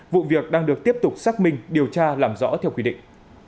vụ việc đang được tiếp tục xác minh điều tra làm rõ theo quy định